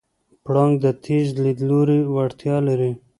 پړانګ د تېز لیدلو وړتیا لري.